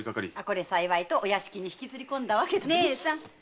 これ幸いとお屋敷に連れ込んだわけだ。